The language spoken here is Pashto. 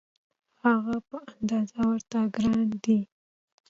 هغه په اندازه ورته ګران دی.